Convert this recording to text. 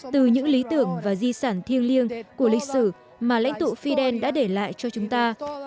từ những lý tưởng và di sản thiêng liêng của lịch sử mà lãnh tụ fidel đã để lại cho chúng ta